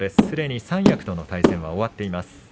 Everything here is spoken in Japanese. すでに三役との対戦は終わっています。